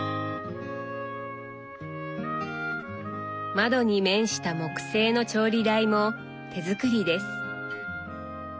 窓に面した木製の調理台も手作りです。